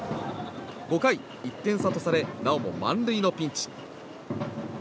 ５回、１点差とされなおも満塁のピンチ。